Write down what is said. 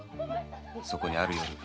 そこにある夜。